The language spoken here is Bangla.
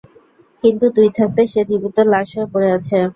কিন্তু তুই থাকতে সে জীবিত লাশ হয়ে পড়ে আছে।